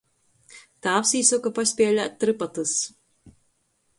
Tāvs īsoka paspielēt „trypatys”.